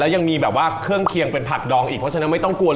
ยังมีแบบว่าเครื่องเคียงเป็นผักดองอีกเพราะฉะนั้นไม่ต้องกลัว